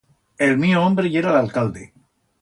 El mío hombre yera l'alcalde.